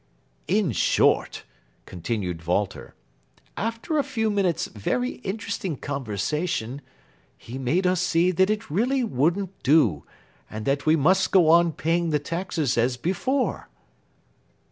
"In short," continued Walter, "after a few minutes' very interesting conversation he made us see that it really wouldn't do, and that we must go on paying the taxes as before."